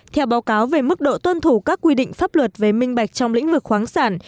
theo báo cáo về mức độ tuân thủ các quy định pháp luật về minh bạch trong lĩnh vực khoáng sản